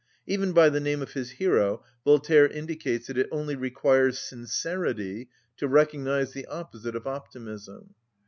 Even by the name of his hero Voltaire indicates that it only requires sincerity to recognise the opposite of optimism.